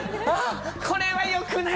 これは良くない！